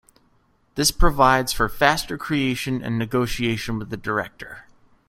This provides for faster creation and negotiation with the director.